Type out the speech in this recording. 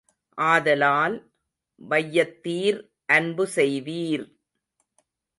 ஆதலால், வையத்தீர் அன்பு செய்வீர்!